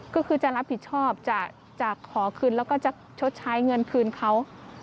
ก็คือจะรับผิดชอบจะขอคืนแล้วก็จะชดใช้เงินคืนเขา